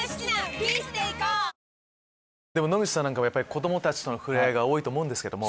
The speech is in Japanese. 野口さんは子供たちとの触れ合い多いと思うんですけども。